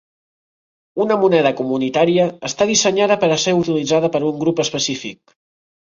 Una moneda comunitària està dissenyada per a ser utilitzada per un grup específic.